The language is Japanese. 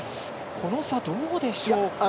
この差、どうでしょうか？